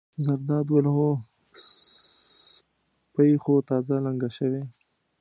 زرداد وویل: هو سپۍ خو تازه لنګه شوې.